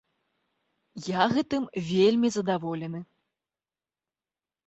Я гэтым вельмі задаволены.